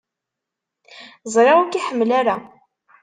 Ẓriɣ ur k-iḥemmel ara.